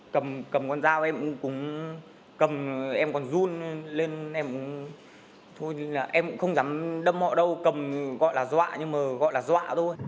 cầm con dao em cũng cũng cầm em còn run lên em cũng thôi là em cũng không dám đâm họ đâu cầm gọi là dọa nhưng mà gọi là dọa thôi